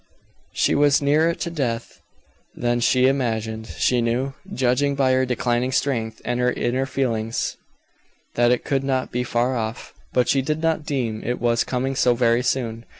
She was nearer to death than she imagined. She knew, judging by her declining strength and her inner feelings, that it could not be far off; but she did not deem it was coming so very soon.